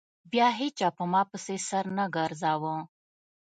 بيا هېچا په ما پسې سر نه گرځاوه.